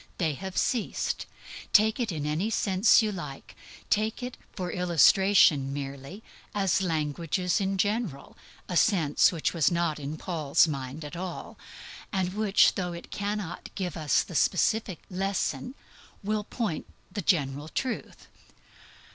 They have ceased. Take it in any sense you like. Take it, for illustration merely, as languages in general a sense which was not in Paul's mind at all, and which though it cannot give us the specific lesson, will point the general truth.